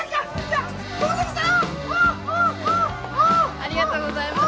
ありがとうございます。